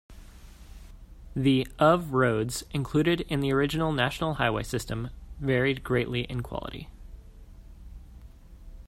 The of roads included in the original National Highway system varied greatly in quality.